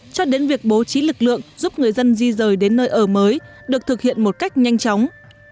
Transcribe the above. cho đến việc bố trí lực lượng giúp người dân di rời đến nơi ở mới được thực hiện một cách nhanh chóng